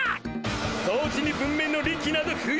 掃除に文明の利器など不要だ！